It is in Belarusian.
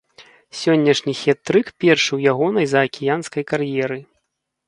Сённяшні хет-трык першы ў ягонай заакіянскай кар'еры.